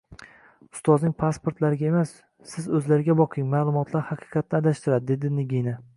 -Ustozning pasportlariga emas, siz o’zlariga boqing. Ma’lumotlar haqiqatdan adashtiradi, — dedi Nigina.